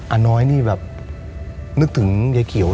อาน้อยนี่แบบนึกถึงยายเขียว